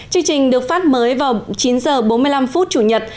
chương trình được phát mới vào chín h bốn mươi năm phút chủ nhật